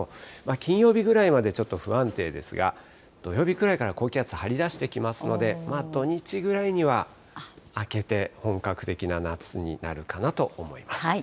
金曜日ぐらいまでちょっと不安定ですが、土曜日くらいから高気圧、張り出してきますので、土日ぐらいには明けて、本格的な夏になるかなと思います。